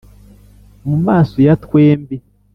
mu maso ya twembi